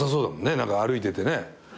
何か歩いててね。